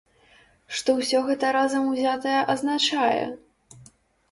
Што ўсё гэта разам узятае азначае?